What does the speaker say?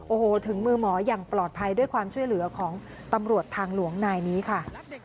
โอ้โหถึงมือหมออย่างปลอดภัยด้วยความช่วยเหลือของตำรวจทางหลวงนายนี้ค่ะ